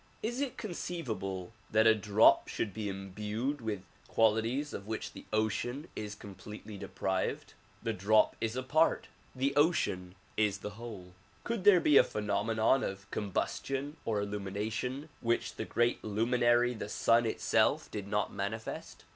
Is it conceivable that a drop should be imbued with qualities of which the ocean is completely deprived? The drop is a part, the ocean is the whole. Could there be a phenomenon of combustion or illumination which the great luminary the sun itself did not manifest